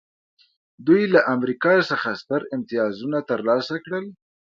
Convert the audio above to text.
دوی له امریکا څخه ستر امتیازونه ترلاسه کړل